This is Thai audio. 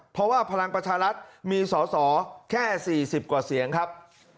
เพราะว่าพลังประชารัฐมีสอสอแค่๔๐กว่าเสียงครับ